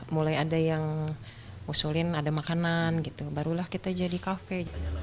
mulai ada yang ngusulin ada makanan gitu barulah kita jadi kafe